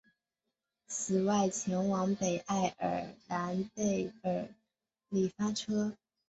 此外前往北爱尔兰贝尔法斯特的国际列车企业号也是自这里发车。